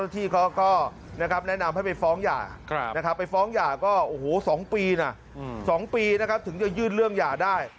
พี่เขาก็แนะนำให้ไปฟ้องหย่าไปฟ้องหย่าก็๒ปีถึงจะยื่นเรื่องหย่าได้